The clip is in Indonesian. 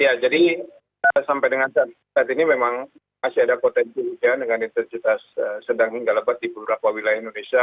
ya jadi sampai dengan saat ini memang masih ada potensi hujan dengan intensitas sedang hingga lebat di beberapa wilayah indonesia